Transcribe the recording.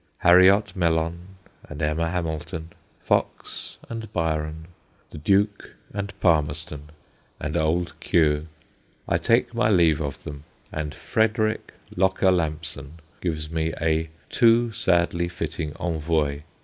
Harriot Mellon and Emma Hamilton, Fox and Byron, the Duke and Palmerston and Old Q., I take my leave of them, and Frederick Locker Lampson gives me a too sadly fitting envoi.